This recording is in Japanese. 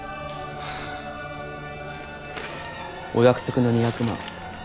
お約束の２００万